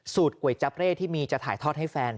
ก๋วยจับเร่ที่มีจะถ่ายทอดให้แฟน